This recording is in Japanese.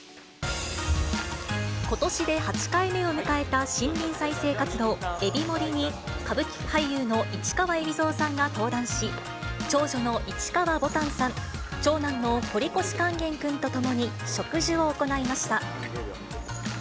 ことしで８回目を迎えた森林再生活動、エビモリに、歌舞伎俳優の市川海老蔵さんが登壇し、長女の市川ぼたんさん、長男の堀越勸玄君と共に植樹を行いました。